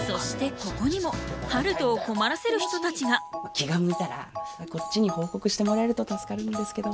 気が向いたらこっちに報告してもらえると助かるんですけど。